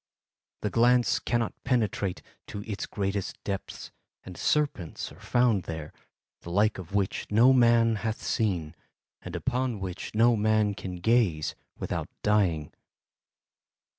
The glance cannot penetrate to its greatest depths and serpents are found there, the like of which no man hath seen, and upon which no man can gaze without dying.